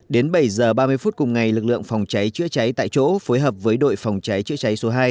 đến bảy h ba mươi phút cùng ngày lực lượng phòng cháy chữa cháy tại chỗ phối hợp với đội phòng cháy chữa cháy số hai